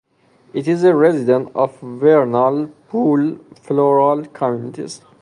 It is a resident of vernal pool floral communities.